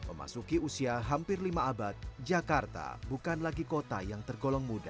memasuki usia hampir lima abad jakarta bukan lagi kota yang tergolong muda